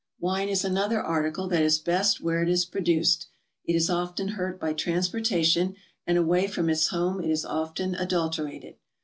Wine is another article that is best where it is produced. It is often hurt by transportation, and away from its home it is often adulterated.